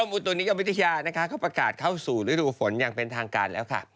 อุตุนิยมวิทยานะคะเขาประกาศเข้าสู่ฤดูฝนอย่างเป็นทางการแล้วค่ะ